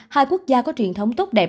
hai quốc gia có truyền thống tốt đẹp